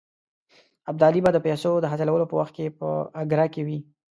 ابدالي به د پیسو د حاصلولو په وخت کې په اګره کې وي.